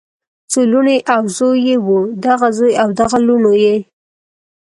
څو لوڼې او زوي یې وو دغه زوي او دغه لوڼو یی